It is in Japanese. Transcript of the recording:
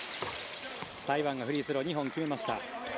台湾がフリースロー２本決めました。